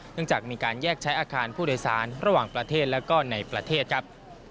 หลังจากมีการแยกใช้อาคารผู้โดยสารระหว่างประเทศและก็ในประเทศครับ